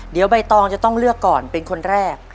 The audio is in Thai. เดี๋ยวใบตองจะต้องเลือกก่อนเป็นคนแรก